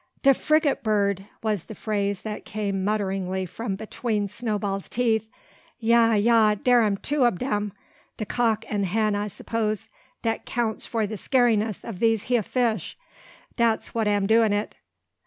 "De frigate bird!" was the phrase that came mutteringly from between Snowball's teeth. "Ya, ya, dar am two ob dem, de cock an' hen, I s'pose. Dat 'counts for de scariness of dese hya fish. Dat's what am doin' it."